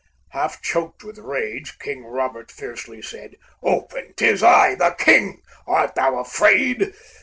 Half choked with rage, King Robert fiercely said, "Open: 'Tis I, the King! Art thou afraid?"